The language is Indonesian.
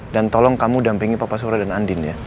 dan tolong kamu dampingi papa surya dan andin ya